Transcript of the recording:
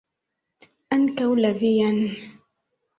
Ankaŭ la vian!